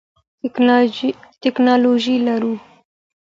ټکنالوژي لرو.